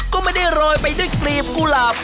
ก็ไม่ได้โรยไปด้วยกลีบกุหลาบ